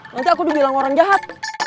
nanti aku udah bilang orang jahat